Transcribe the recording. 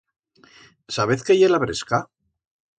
Sabez qué ye la bresca?